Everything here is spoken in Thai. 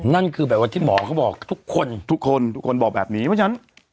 นั่นคือแบบว่าที่หมอเขาบอกทุกคนทุกคนทุกคนบอกแบบนี้เพราะฉะนั้น